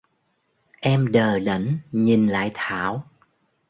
Em đờ đẫn nhìn lại Thảo